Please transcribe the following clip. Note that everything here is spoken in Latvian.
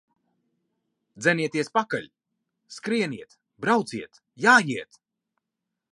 Dzenieties pakaļ! Skrieniet, brauciet, jājiet!